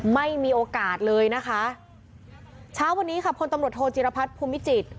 ไม่มีโอกาสเลยนะคะเช้าวันนี้ค่ะพลตำรวจโทจิรพัฒน์ภูมิจิตร